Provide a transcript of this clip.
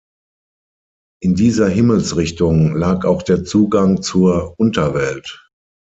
In dieser Himmelsrichtung lag auch der Zugang zur Unterwelt.